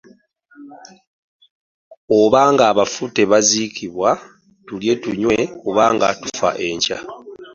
Oba ng'abafu tebazuukizibwa, tulye tunywe, kubanga tufa enkya.